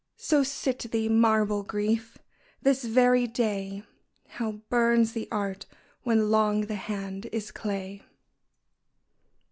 So sit thee, marble Grief ! this very day How burns the art when long the hand is clay